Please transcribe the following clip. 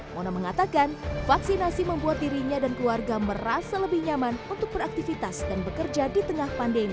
mona mengatakan vaksinasi membuat dirinya dan keluarga merasa lebih nyaman untuk beraktivitas dan bekerja di tengah pandemi